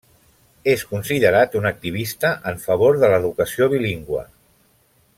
És considerat un activista en favor de l'educació bilingüe.